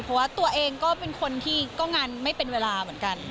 เพราะว่าตัวเองก็เป็นคนที่ก็งานไม่เป็นเวลาเหมือนกัน